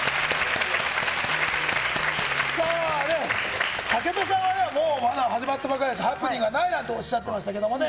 さあ、武田さんはもう、まだ始まったばかりですから、ハプニングはないなんておっしゃってましたけどもね。